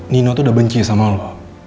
nino tuh udah bencinya sama lo